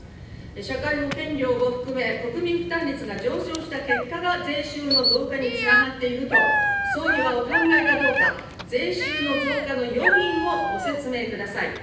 社会保険料を含め国民負担率が上昇した結果が、税収の増加につながっていると総理はお考えかどうか、税収の増加の要因をご説明ください。